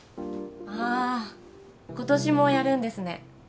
ああ今年もやるんですね